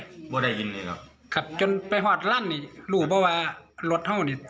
ไม่ได้ยินเลยครับครับจนไปหอดรั่งนี่รู้ป่าวว่ารถเท่านี่